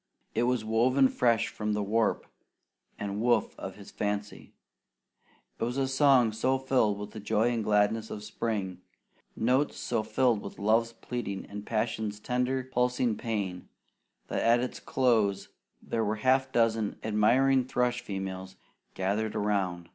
It was woven fresh from the warp and woof of his fancy. It was a song so filled with the joy and gladness of spring, notes so thrilled with love's pleading and passion's tender pulsing pain, that at its close there were a half dozen admiring thrush females gathered around.